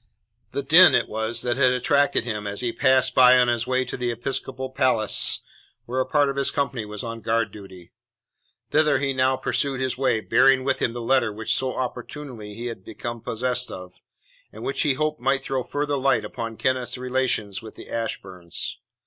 The din it was that had attracted him as he passed by on his way to the Episcopal Palace where a part of his company was on guard duty. Thither he now pursued his way, bearing with him the letter which so opportunely he had become possessed of, and which he hoped might throw further light upon Kenneth's relations with the Ashburns.